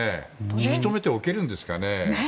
引き留めておけるんですかね。